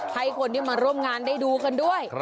ให้คนที่มาร่วมงานได้ดูกันด้วย